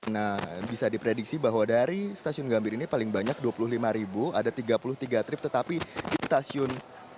nah bisa diprediksi bahwa dari stasiun gambir ini paling banyak dua puluh lima ribu ada tiga puluh tiga trip tetapi di stasiun